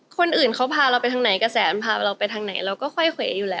คนอื่นเขาพาเราไปทางไหนกระแสพาเราไปทางไหนเราก็ค่อยเขวอยู่แล้ว